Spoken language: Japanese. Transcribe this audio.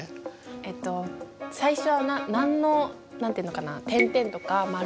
えっと最初は何の何て言うのかな点々とか丸とか。